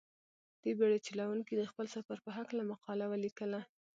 دې بېړۍ چلوونکي د خپل سفر په هلکه مقاله ولیکله.